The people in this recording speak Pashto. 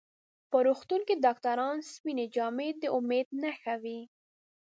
په روغتون کې د ډاکټرانو سپینې جامې د امید نښه وي.